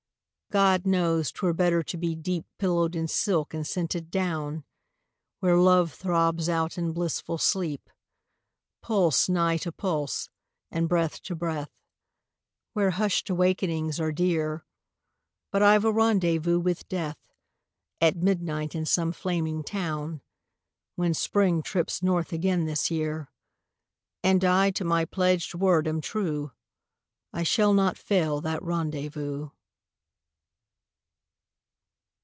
God knows 't were better to be deep Pillowed in silk and scented down, Where Love throbs out in blissful sleep Pulse nigh to pulse, and breath to breath, Where hushed awakenings are dear ... But I've a rendezvous with Death At midnight in some flaming town, When Spring trips north again this year, And I to my pledged word am true, I shall not fail that rendezvous.